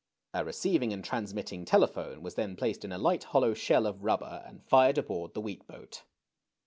A receiving and transmitting tele|)hone was then placed in a light hollow shell of rubber and fired aboard the wheat boat.